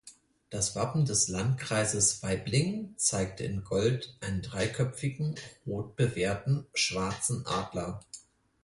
Das Wappen des Landkreises Waiblingen zeigte in Gold einen dreiköpfigen, rot bewehrten, schwarzen Adler.